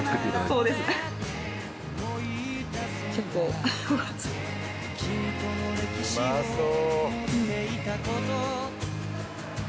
うまそう！